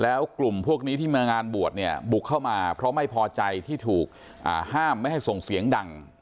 แล้วกลุ่มพวกนี้ที่มางานบวชเนี่ยบุกเข้ามาเพราะไม่พอใจที่ถูกห้ามไม่ให้ส่งเสียงดัง